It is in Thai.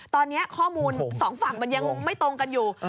ตอนนี้ข้อมูลสองฝั่งมันยังไม่ตรงกันอยู่